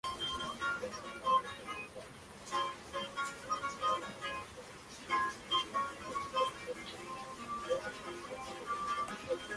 Hay planes de expansión.